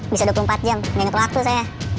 bisa dua puluh empat jam dengan waktu saya